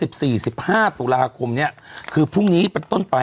ว่า๑๔๑๕ตุลาคมนี้คือพรุ่งนี้เป็นต้นไป